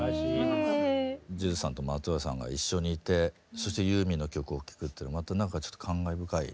ＪＵＪＵさんと松任谷さんが一緒にいてそしてユーミンの曲を聴くっていうのまたなんかちょっと感慨深い。